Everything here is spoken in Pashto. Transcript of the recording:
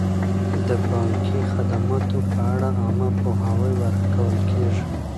د بانکي خدماتو په اړه عامه پوهاوی ورکول کیږي.